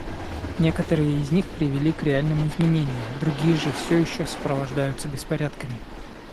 Некоторые из них привели к реальным изменениям, другие же все еще сопровождаются беспорядками.